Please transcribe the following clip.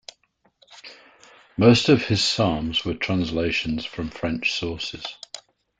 Most of his Psalms were translations from French sources.